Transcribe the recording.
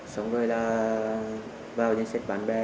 xong rồi là vào dân sách bán về